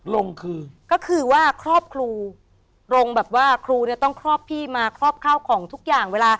ลงคือก็คือว่าครอบครูลงแบบว่าครูเนี่ยต้องครอบพี่มาครอบข้าวของทุกอย่างเวลา